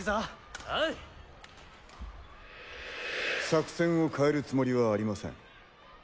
作戦を変えるつもりはありません。